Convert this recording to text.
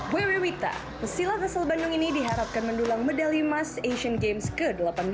web rewita pesilat asal bandung ini diharapkan mendulang medali emas asian games ke delapan belas